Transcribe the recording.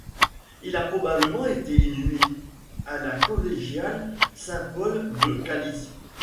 Il a probablement été inhumé à la collégiale Saint Paul de Kalisz.